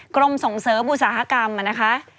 กรมส่งเสริมอุตสาหกรรมนะคะ